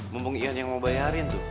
mumpung ikan yang mau bayarin tuh